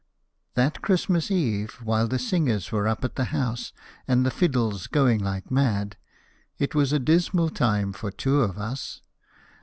That Christmas eve, while the singers were up at the house and the fiddles going like mad, it was a dismal time for two of us.